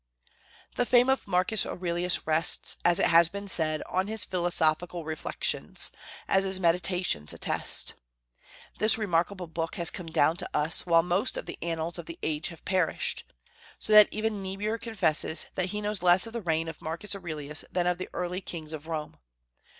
The fame of Marcus Aurelius rests, as it has been said, on his philosophical reflections, as his "Meditations" attest. This remarkable book has come down to us, while most of the annals of the age have perished; so that even Niebuhr confesses that he knows less of the reign of Marcus Aurelius than of the early kings of Rome.